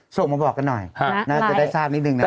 ส่งมาบอกกันหน่อยน่าจะได้ทราบนิดนึงนะครับ